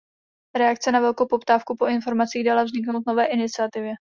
Reakce na velkou poptávku po informacích dala vzniknout nové iniciativě.